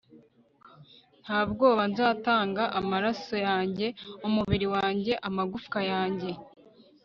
Nta bwoba nzatanga amaraso yanjye umubiri wanjye amagufwa yanjye